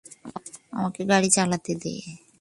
আমাকে গাড়ি চালাতে দে।